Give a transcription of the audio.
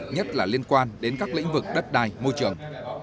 nhất là liên quan đến các lĩnh vực đất đai môi trường